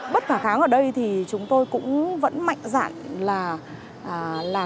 bất khả kháng ở đây thì chúng tôi cũng vẫn mạnh dạn là